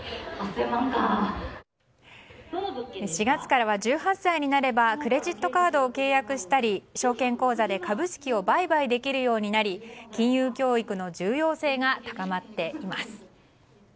４月からは、１８歳になればクレジットカードを契約したり証券口座で株式を売買できるようになり金融教育の重要性が高まっています。